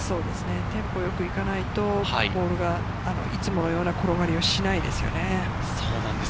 テンポよくいかないと、いつものような転がりをしないですよね。